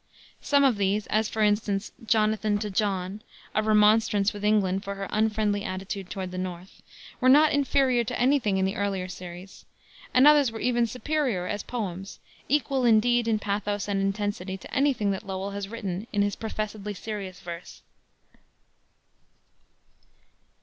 Some of these, as, for instance, Jonathan to John, a remonstrance with England for her unfriendly attitude toward the North, were not inferior to any thing in the earlier series; and others were even superior as poems, equal indeed, in pathos and intensity to any thing that Lowell has written in his professedly serious verse.